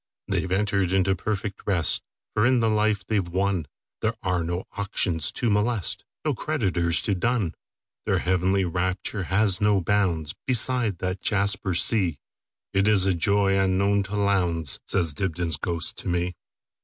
"They 've entered into perfect rest; For in the life they 've wonThere are no auctions to molest, No creditors to dun. Their heavenly rapture has no boundsBeside that jasper sea; It is a joy unknown to Lowndes,"Says Dibdin's ghost to me.